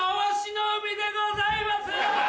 でございます！